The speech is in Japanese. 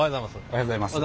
おはようございます。